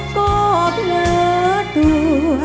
โกบเหลือตัว